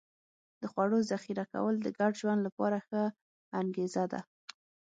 د خوړو ذخیره کول د ګډ ژوند لپاره ښه انګېزه ده.